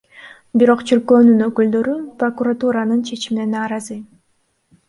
Бирок чиркөөнүн өкүлдөрү прокуратуранын чечимине нааразы.